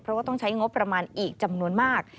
เพราะว่าต้องใช้งบประมาณอีกจำนวนมาก